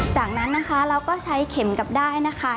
จากนั้นนะคะเราก็ใช้เข็มกับด้ายนะคะ